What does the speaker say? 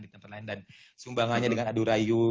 di tempat lain dan sumbangannya dengan adu rayu